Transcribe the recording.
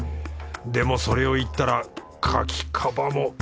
でもそれを言ったら牡蠣カバも。